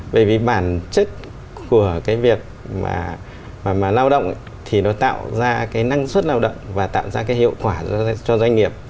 bởi vì bản chất của cái việc mà lao động thì nó tạo ra cái năng suất lao động và tạo ra cái hiệu quả cho doanh nghiệp